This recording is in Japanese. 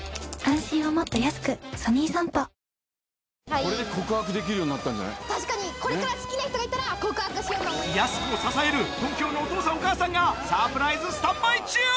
これで告白できるようになっ確かに、これから好きな人がやす子を支える東京のお父さん、お母さんがサプライズスタンバイ中。